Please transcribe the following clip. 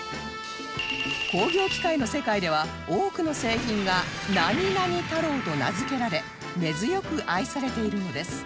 工業機械の世界では多くの製品が「何々太郎」と名付けられ根強く愛されているのです